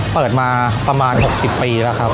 เปิดมาประมาณ๖๐ปีแล้วครับ